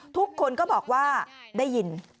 ทุกคนก็บอกว่าได้ยิน